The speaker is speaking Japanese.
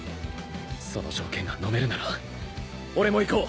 その条件がのめるなら俺も行こう！